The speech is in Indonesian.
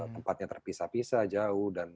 tempatnya terpisah pisah jauh